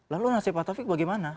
lalu nasib pak taufik bagaimana